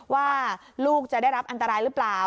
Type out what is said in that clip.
ว่าลูกจะได้รับอันตรายหรือเปล่า